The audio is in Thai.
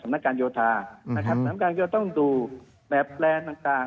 สำนักการโยธาต้องดูแบบแปลนต่าง